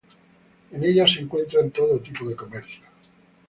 En ella se encuentra todo tipo de comercios.